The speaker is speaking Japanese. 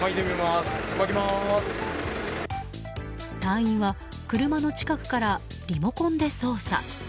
隊員は車の近くからリモコンで操作。